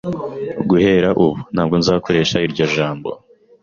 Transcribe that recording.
Guhera ubu, ntabwo nzakoresha iryo jambo.